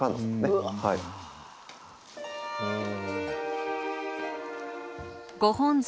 うん。